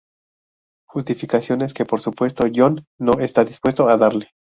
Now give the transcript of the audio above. Justificaciones que, por supuesto, John no está dispuesto a darle.